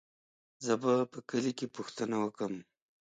زه به په کلي کې پوښتنه وکم.